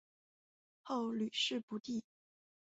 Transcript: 后屡试不第。